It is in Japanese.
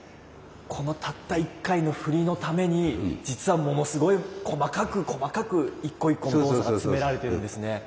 このたった１回の振りのために実はものすごい細かく細かく一個一個の動作が詰められてるんですね。